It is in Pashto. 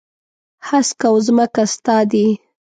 هسک او ځمکه ستا دي.